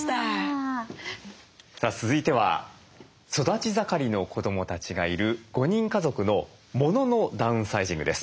続いては育ち盛りの子どもたちがいる５人家族のモノのダウンサイジングです。